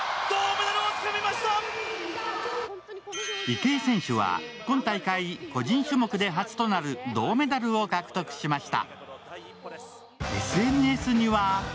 池江選手は今大会、個人種目で初となる銅メダルを獲得しました。